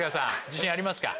自信ありますか？